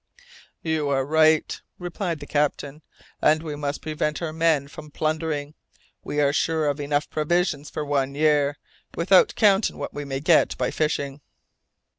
"You are right," replied the captain, "and we must prevent our men from plundering. We are sure of enough provisions for one year, without counting what we may get by fishing."